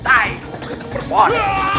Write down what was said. kau bukan perempuan